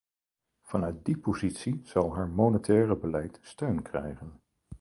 Vanuit die positie zal haar monetaire beleid steun krijgen.